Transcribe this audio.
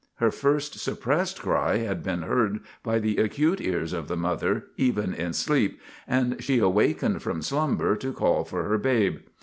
Her first suppressed cry had been heard by the acute ears of the mother, even in sleep, and she awakened from slumber to call for her babe.